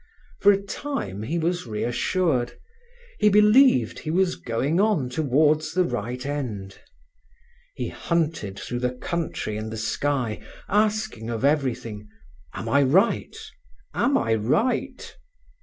For a time he was reassured; he believed he was going on towards the right end. He hunted through the country and the sky, asking of everything, "Am I right? Am I right?"